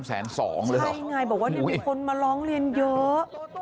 นี่ไงบอกว่ามีคนมาร้องเรียนเยอะ